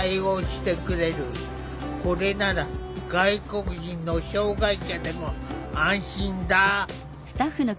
これなら外国人の障害者でも安心だ。